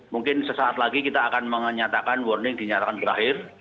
mungkin sesaat lagi kita akan menyatakan warning dinyatakan berakhir